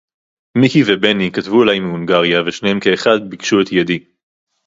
מיקי ובני כתבו אליי מהונגריה ושניהם כאחד ביקשו את ידי.